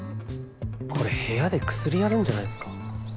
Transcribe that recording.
これ部屋で薬やるんじゃないですか？